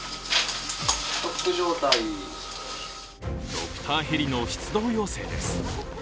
ドクターヘリの出動要請です。